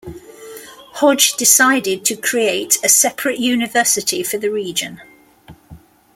Hodge, decided to create a separate University for the region.